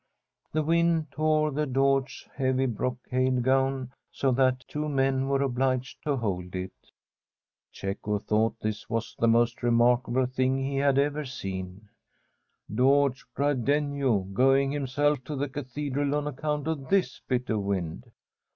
The wind tore the Doge's heavy brocade gown, so that two men were obliged to hold it. Cecco thought this was the most remarkable thing he had ever seen — Doge Gradenigo going himself to the cathedral on account of this bit of a wind